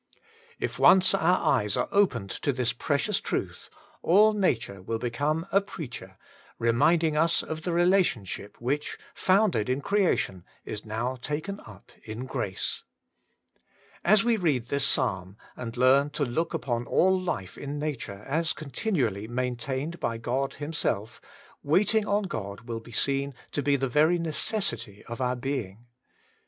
If once our eyes are opened to this precious truth, all Nature will become a preacher, re minding us of the relationship which, founded in creation, is now taken up in grace. As we read this Psalm, and learn to look upon all life in Nature as continually maintained by God Himself, waiting on God will be seen to be the very necessity of our being.